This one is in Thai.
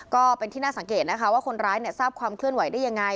ก็เป็นที่น่าสังเกตนะคะว่าคนร้ายทราบความเคลื่อนไหวได้ยังไง